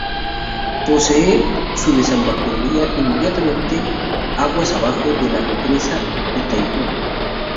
Posee su desembocadura inmediatamente aguas abajo de la Represa de Itaipú.